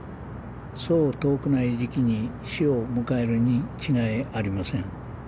そう遠くない時期に死を迎えるに違いありません。